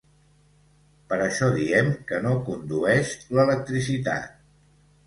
Per això diem que no condueix l'electricitat.